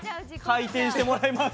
回転してもらいます。